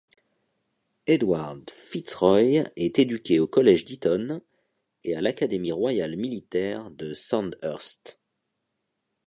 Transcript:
Edward FitzRoy est éduqué au collège d'Eton et à l'Académie royale militaire de Sandhurst.